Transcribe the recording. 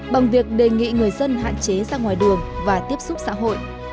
bằng việc đề nghị người dân hạn chế ra ngoài đường và tiếp xúc xã hội